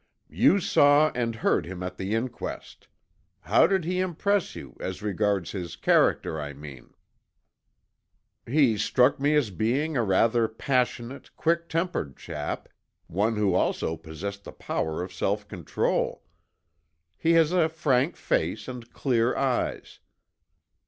"You saw and heard him at the inquest? How did he impress you, as regards his character, I mean?" "He struck me as being a rather passionate, quick tempered chap, one who also possessed the power of self control. He has a frank face and clear eyes.